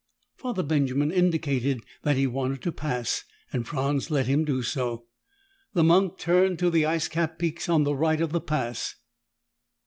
Father Benjamin indicated that he wanted to pass and Franz let him do so. The monk turned to the icecapped peaks on the right of the Pass.